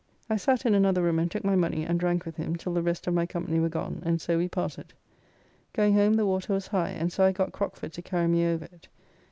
I sat in another room and took my money and drank with him till the rest of my company were gone and so we parted. Going home the water was high, and so I got Crockford to carry me over it.